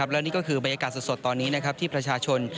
และนี่ก็คือบรรยากาศสดตอนนี้ที่ประชาชน